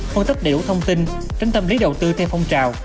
phân tích đầy đủ thông tin tránh tâm lý đầu tư theo phong trào